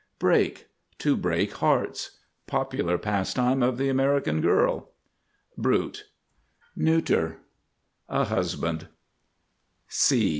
BREAK, to break hearts. Popular pastime of the American girl. BRUTE, n. A husband.